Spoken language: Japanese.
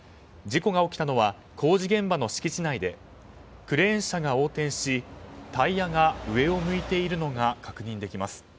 事故が起きたのは工事現場の敷地内でクレーン車が横転しタイヤが上を向いているのが確認できます。